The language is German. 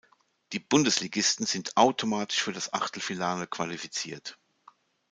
Die Bundesligisten sind automatisch für das Achtelfinale qualifiziert.